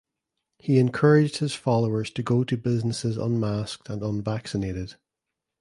He encouraged his followers to go to businesses unmasked and unvaccinated.